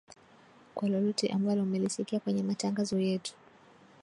kwa lolote ambalo umelisikia kwenye matangazo yetu